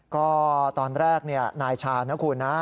ก็ตอนแรกนายชาญนะคุณนะ